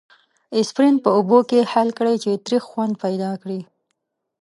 اسپرین په اوبو کې حل کړئ چې تریخ خوند پیدا کړي.